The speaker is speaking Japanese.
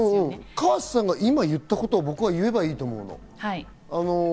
河瀬さんが今、言ったことを言えばいいと思う。